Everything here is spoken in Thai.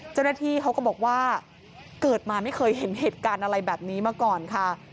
เจ้าหน้าที่เขาก็บอกว่าเกิดมาไม่เคยเห็นเหตุการณ์อะไรแบบนี้มาก่อนค่ะ